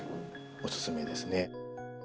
おすすめですね。